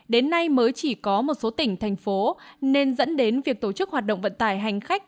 đến nay mới chỉ có một số tỉnh thành phố nên dẫn đến việc tổ chức hoạt động vận tải hành khách